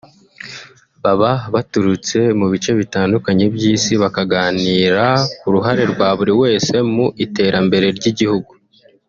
baba baturutse mu bice bitandukanye by’Isi bakaganira ku ruhare rwa buri wese mu iterambere ry’Igihugu